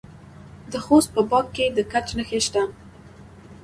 د خوست په باک کې د ګچ نښې شته.